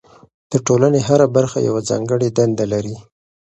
د ټولنې هره برخه یوه ځانګړې دنده لري.